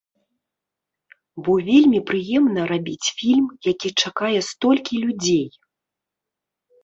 Бо вельмі прыемна рабіць фільм, які чакае столькі людзей.